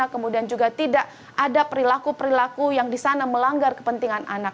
kemudian juga tidak ada perilaku perilaku yang di sana melanggar kepentingan anak